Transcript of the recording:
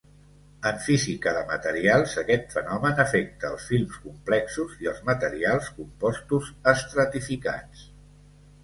En física de materials, aquest fenomen afecta els films complexos i els materials compostos estratificats.